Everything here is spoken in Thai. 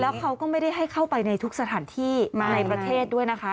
เขาก็ไม่ได้ให้เข้าไปในทุกสถานที่ในประเทศด้วยนะคะ